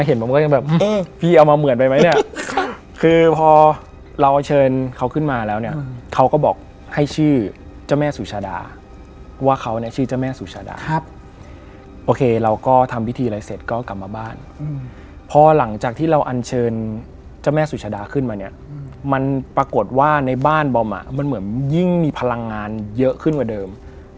ตอนนี้ก็เลยนำกลับมาให้ได้ชมกันใหม่